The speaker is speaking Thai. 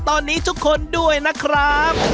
ตอนนี้ทุกคนด้วยนะครับ